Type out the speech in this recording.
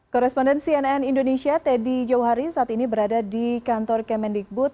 koresponden cnn indonesia teddy jauhari saat ini berada di kantor kemendikbud